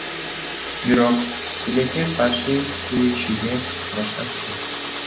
Бирок, тилекке каршы, кийлигише баштаптыр.